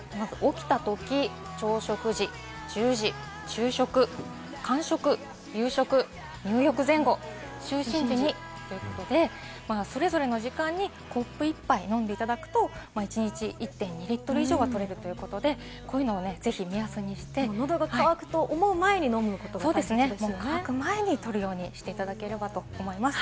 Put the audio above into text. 起きたとき、朝食時、１０時、昼食、間食、夕食、入浴前後、就寝時にということでそれぞれの時間にコップ１杯飲んでいただくと、一日１．２リットル以上はとれるということで、喉が渇くと思う前に飲むこと喉が渇く前にとるようにしていただければと思います。